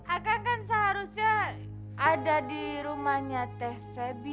akang kan seharusnya ada di rumahnya teh febi